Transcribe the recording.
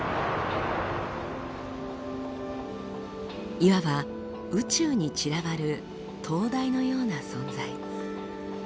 いわば宇宙に散らばる灯台のような存在。